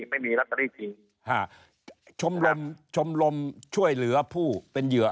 ไม่มีลอตเตอรี่จริงชมรมชมรมช่วยเหลือผู้เป็นเหยื่อ